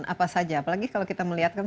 apa saja apalagi kalau kita melihatkan